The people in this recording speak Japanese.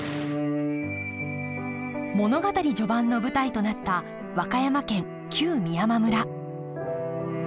物語序盤の舞台となった和歌山県旧美山村。